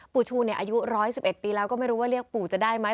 ปู่ชูเนี่ยอายุร้อยสิบเอ็ดปีแล้วก็ไม่รู้ว่าเรียกปู่จะได้ไหม